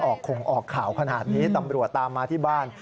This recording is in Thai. คงออกข่าวขนาดนี้ตำรวจตามมาที่บ้าน